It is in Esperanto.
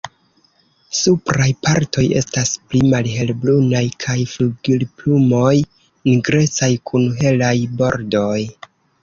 Supraj partoj estas pli malhelbrunaj kaj flugilplumoj nigrecaj kun helaj bordoj.